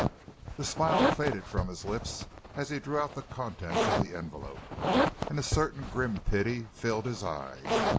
The smile faded from his lips as he drew out the contents of the envelope, and a certain grim pity filled his eyes.